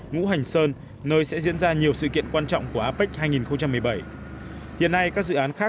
ngũ hành sơn nơi sẽ diễn ra nhiều sự kiện quan trọng của apec hai nghìn một mươi bảy hiện nay các dự án khác